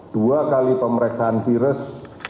dua kali pemeriksaan virus